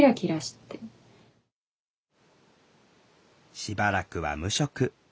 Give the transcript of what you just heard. しばらくは無職。